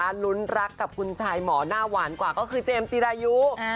ลุ้นรักกับคุณชายหมอหน้าหวานกว่าก็คือเจมส์จีรายุ